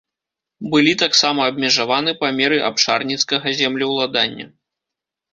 Былі таксама абмежаваны памеры абшарніцкага землеўладання.